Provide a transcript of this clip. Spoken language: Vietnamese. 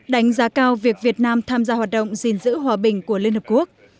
đánh giá cao việc việt nam tham gia hoạt động gìn giữ hòa bình của liên hợp quốc